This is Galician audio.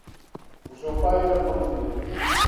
O seu pai era policía.